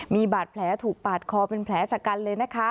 มีบาดแผลถูกปาดคอเป็นแผลชะกันเลยนะคะ